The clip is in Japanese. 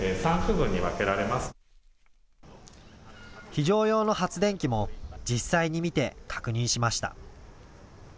非常用の発電機も実際に見て確認しました。